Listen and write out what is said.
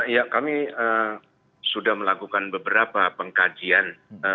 ya kami sudah melakukan beberapa pengkajian